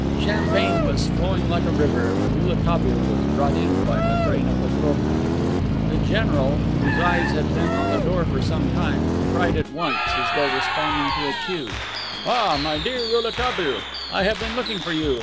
Champagne was flowing like a river when Rouletabille was brought in by Matrena Petrovna. The general, whose eyes had been on the door for some time, cried at once, as though responding to a cue: "Ah, my dear Rouletabille! I have been looking for you.